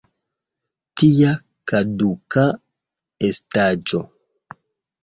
Tia kaduka estaĵo!